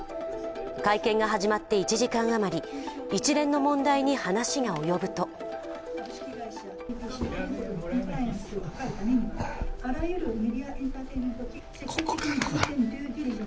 会見が始まって１時間余り、一連の問題に話が及ぶとここからだ。